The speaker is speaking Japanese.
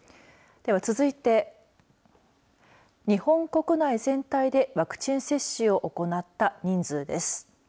では続いて日本国内全体でワクチン接種を行った人数です。